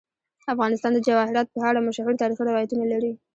افغانستان د جواهرات په اړه مشهور تاریخی روایتونه لري.